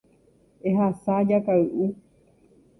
Ehasa jakay'u.